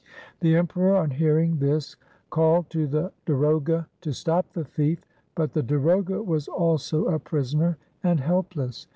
The Emperor on hearing this called to the darogha to stop the thief, but the darogha was also a prisoner and helpless.